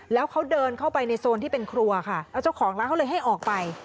แล้วเขาเดินเข้าไปในโซนที่เป็นครัวค่ะแล้วเจ้าของร้านเขาเลยให้ออกไป